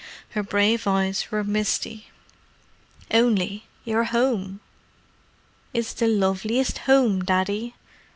Her brave eyes were misty. "Only, you're home." "It's the loveliest home, Daddy!"